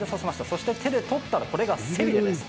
そして、手で取ったらこれが背びれです。